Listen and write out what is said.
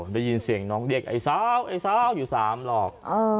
ได้ยินเสียงน้องเรียกไอ้สาวไอ้สาวอยู่๓หลอก